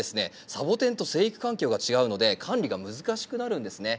サボテンと生育環境が違うので管理が難しくなるんですね。